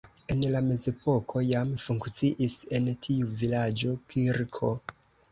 En la mezepoko jam funkciis en tiu vilaĝo kirko.